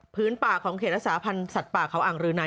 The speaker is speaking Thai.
ป่าของเขตรักษาพันธ์สัตว์ป่าเขาอ่างรืนัย